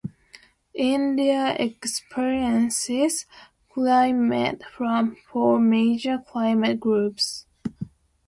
India experiences climate from four major climate groups.